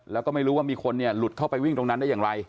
แล้วก็ไม่รู้ว่ามีคนเนี่ยหลุดเข้าไปวิ่งตรงนั้นได้อย่างไร